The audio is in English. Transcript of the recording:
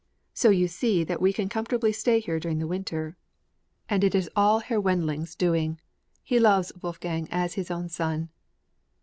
So you see that we can comfortably stay here during the winter; and it is all Herr Wendling's doing; he loves Wolfgang as his own son."